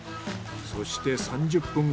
そして３０分後。